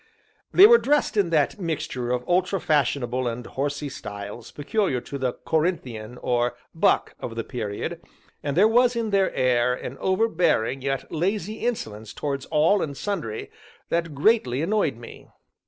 They were dressed in that mixture of ultra fashionable and horsey styles peculiar to the "Corinthian," or "Buck" of the period, and there was in their air an overbearing yet lazy insolence towards all and sundry that greatly annoyed me.